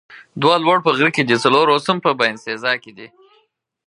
دوه لوړ په غره کې دي، څلور اوس هم په باینسیزا کې دي.